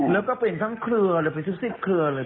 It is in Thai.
แล้วก็เป็นทั้งเผลือเป็นทุกซิกเผลือเลย